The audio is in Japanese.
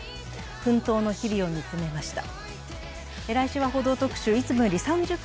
奮闘の日々を見つめました。